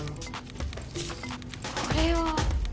これは。